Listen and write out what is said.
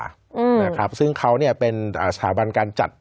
อืมนะครับซึ่งเขาเนี่ยเป็นอ่าสถาบันการจัด